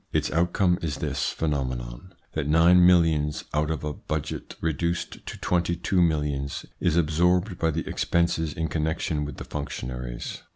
Its outcome is this phenomenon, that nine millions out of a budget reduced to twenty two millions is absorbed by the expenses in connection with the functionaries.